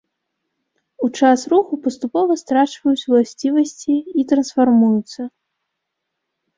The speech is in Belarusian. У час руху паступова страчваюць уласцівасці і трансфармуюцца.